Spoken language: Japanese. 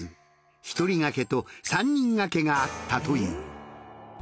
１人掛けと３人掛けがあったという。